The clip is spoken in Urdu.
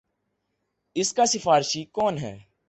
اس کا سفارشی کون ہے۔